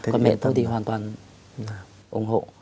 còn mẹ tôi thì hoàn toàn ủng hộ